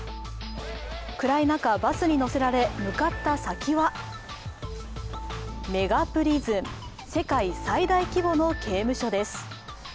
暗い中、バスに乗せられ向かった先はメガプリズン、世界最大規模の刑務所です。